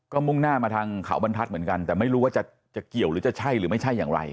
ก็มุ่งหน้ามาทางเขาบรรทัศน์เหมือนกันแต่ไม่รู้ว่าจะเกี่ยวหรือจะใช่หรือไม่ใช่อย่างไร